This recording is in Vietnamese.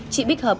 chị bích hợp